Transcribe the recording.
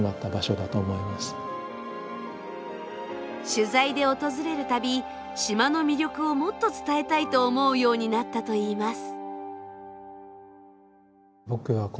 取材で訪れる度島の魅力をもっと伝えたいと思うようになったといいます。